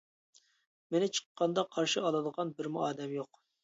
مېنى چىققاندا قارشى ئالىدىغان بىرمۇ ئادەم يوق.